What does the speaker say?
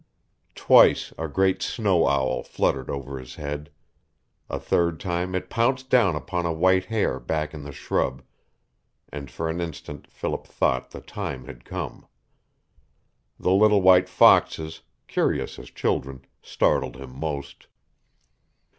Twice a great snow owl fluttered over his head. A third time it pounced down upon a white hare back in the shrub, and for an instant Philip thought the time had come. The little white foxes, curious as children, startled him most.